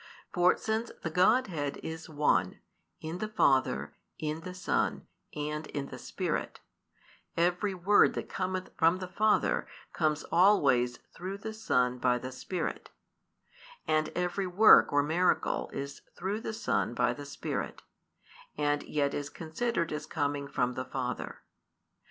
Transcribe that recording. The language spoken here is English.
For since the Godhead is One, in the Father, in the Son, and in the Spirit, every word that cometh from the Father comes always through the Son by the Spirit: and every work or miracle is through the Son by the Spirit, and yet is considered as coming from the Father.